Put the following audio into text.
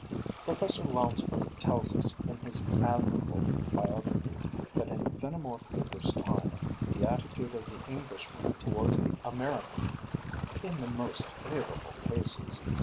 Professor Lounsbury tells us in his admirable biography that in Fenimore Cooper's time the attitude of the Englishman towards the American "in the most favorable cases